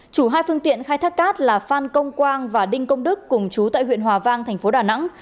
chủ hai phương tiện khai thác cát là phan công quang và đinh công đức cùng chú tại huyện hòa vang thành phố đà nẵng